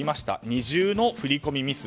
二重の振り込みミス。